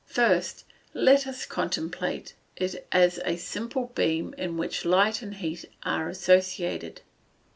First, let us contemplate it as a simple beam in which light and heat are associated.